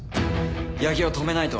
矢木を止めないと！